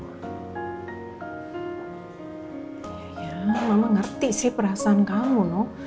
ya ya mama ngerti sih perasaan kamu loh